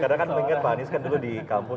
karena kan mengingat pak anies kan dulu di kampus